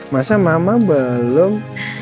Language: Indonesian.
masa mama belum